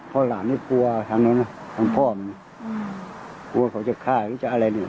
เพราะหลานนี่กลัวทางนู้นนะทางพ่อมันกลัวเขาจะฆ่าหรือจะอะไรเนี่ย